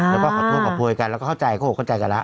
แล้วก็ขอโทษกับผู้อีกกันแล้วก็เข้าใจกันแล้ว